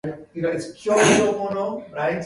He must have slept.